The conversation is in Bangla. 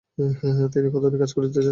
তিনি কতদিন কাজ করিতেছেন?